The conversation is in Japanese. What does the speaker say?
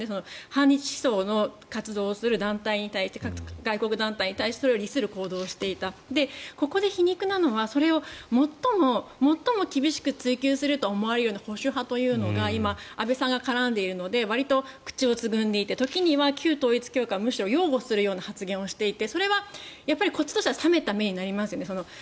反日思想の活動をする団体に対して外国団体に対する利する行動をしていたそこで皮肉なのはそれを最も厳しく追及するであろう保守派の今、安倍さんが絡んでいるのでわりと口をつぐんでいて時には旧統一教会はむしろ擁護するような発言をしていてそれはこっちとしては冷めた目になりますよね。